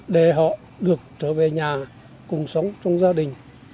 để họ được trở về nhà cùng sống trong gia đình